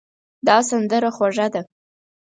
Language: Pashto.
دا سندره خوږه ده.